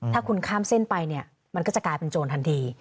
ถ้าคุณข้ามเส้นไปเนี่ยมันก็จะกลายเป็นโจรทันที